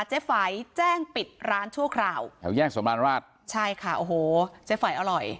ฝัยแจ้งปิดร้านชั่วคราวแถวแยกสำราญราชใช่ค่ะโอ้โหเจ๊ไฝอร่อย